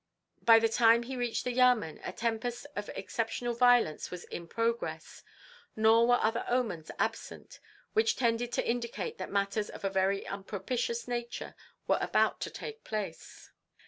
By the time he reached the Yamen a tempest of exceptional violence was in progress, nor were other omens absent which tended to indicate that matters of a very unpropitious nature were about to take place.